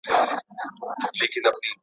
غرغړې ته چي ورځمه د منصور سره مي شپه وه